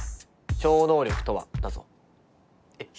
「超能力とは」だぞえっ？